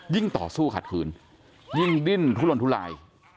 ต่อสู้ขัดขืนยิ่งดิ้นทุลนทุลาย